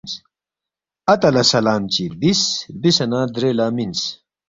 اتا لہ سلام چی ربِس، ربِسے نہ درے لہ مِنس